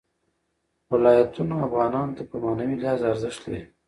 ولایتونه افغانانو ته په معنوي لحاظ ارزښت لري.